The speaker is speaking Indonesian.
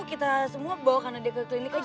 kita semua bawa kanadiyah ke klinik aja